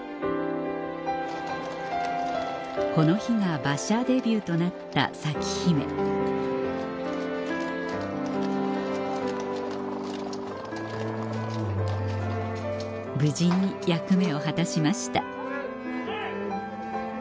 この日が馬車デビューとなった咲姫無事に役目を果たしました